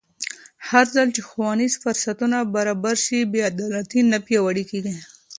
هرځل چې ښوونیز فرصتونه برابر شي، بې عدالتي نه پیاوړې کېږي.